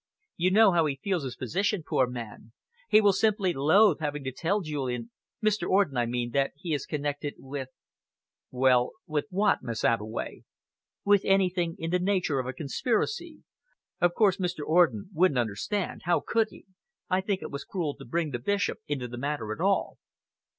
"You know how he feels his position, poor man. He will simply loathe having to tell Julian Mr. Orden, I mean that he is connected with " "Well, with what, Miss Abbeway?" "With anything in the nature of a conspiracy. Of course, Mr. Orden wouldn't understand. How could he? I think it was cruel to bring the Bishop into the matter at all."